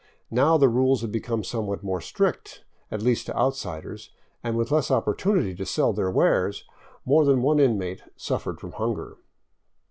Now, the rules had become somewhat more strict, at least to outsiders, and with less opportunity to sell thei r wares more than one inmate suffered from hunger.